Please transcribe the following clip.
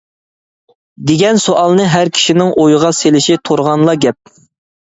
دېگەن سوئالنى ھەر كىشىنىڭ ئويىغا سېلىشى تۇرغانلا گەپ.